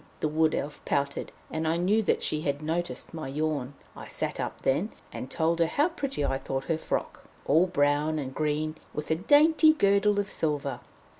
the Wood Elf pouted; and I knew that she had noticed my yawn. I sat up then, and told her how pretty I thought her frock, all brown and green, with a dainty girdle of silver.